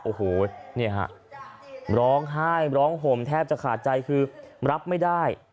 โอ้โหเนี่ยฮะร้องไห้ร้องห่มแทบจะขาดใจคือรับไม่ได้